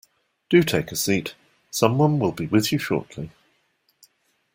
Do take a seat. Someone will be with you shortly.